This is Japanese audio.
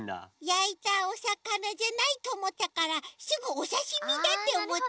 やいたおさかなじゃないとおもったからすぐおさしみだっておもっちゃいました。